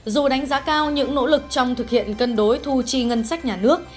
dù đánh giá cao những nỗ lực trong thực hiện cân đối thu chi ngân sách nhà nước